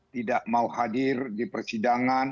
tidak mau hadir di persidangan